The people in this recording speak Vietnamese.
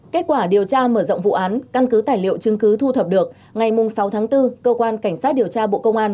kết quả điều tra mở rộng vụ án căn cứ tài liệu chứng cứ thu thập được ngày sáu tháng bốn cơ quan cảnh sát điều tra bộ công an